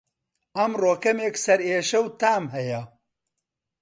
ئەمڕۆ کەمێک سەرئێشه و تام هەیە